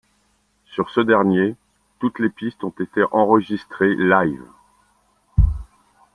Sur ce dernier, toutes les pistes ont été enregistrées live.